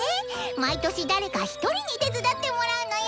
毎年誰か１人に手伝ってもらうのよ。